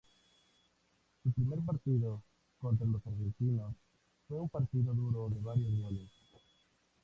Su primer partido, contra los argentinos, fue un partido duro de varios goles.